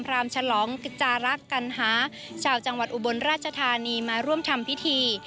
รามฉลองกิจจารักษ์กัณหาชาวจังหวัดอุบลราชธานีมาร่วมทำพิธี